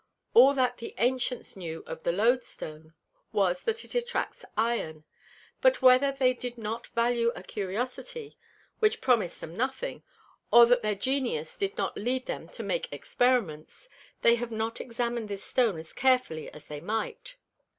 All that the Antients knew of the Load stone, was, that it attracts Iron. But whether they did not value a Curiosity, which promis'd them nothing; or that their Genius did not lead them to make Experiments, they have not examin'd this Stone as carefully as they might.